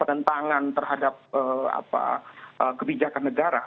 penentangan terhadap kebijakan negara